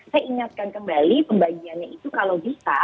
saya ingatkan kembali pembagiannya itu kalau bisa